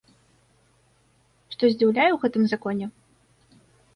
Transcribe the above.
Што здзіўляе ў гэтым законе?